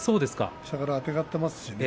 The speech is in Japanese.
下からあてがっていますしね。